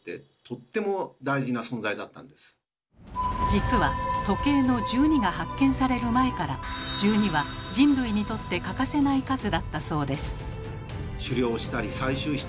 実は時計の１２が発見される前から１２は人類にとって欠かせない数だったそうです。